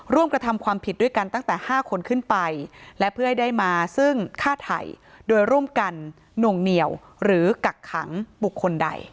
กระทำความผิดด้วยกันตั้งแต่๕คนขึ้นไปและเพื่อให้ได้มาซึ่งฆ่าไทยโดยร่วมกันหน่วงเหนียวหรือกักขังบุคคลใด